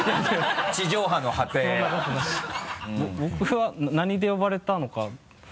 僕は何で呼ばれたのか全然。